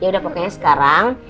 ya udah pokoknya sekarang